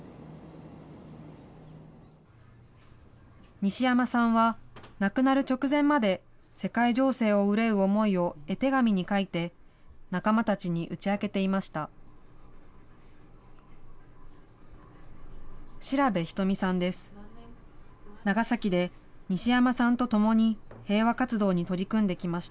西山さんは亡くなる直前まで、世界情勢を憂う思いを絵手紙に描いて、仲間たちに打ち明けていました。